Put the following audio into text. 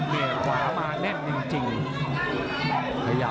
และเมเนตภายมาแน่นจริงอยู่